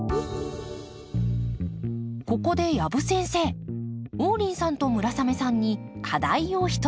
ここで養父先生王林さんと村雨さんに課題を一つ。